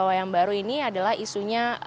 bahwa yang baru ini adalah isunya